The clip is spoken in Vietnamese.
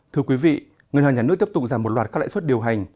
thưa quý vị ngân hàng nhà nước tiếp tục giảm một loạt các lãi suất điều hành